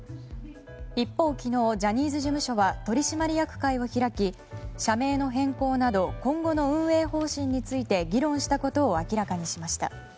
一方、昨日ジャニーズ事務所は取締役会を開き社名の変更など今後の運営方針について議論したことを明らかにしました。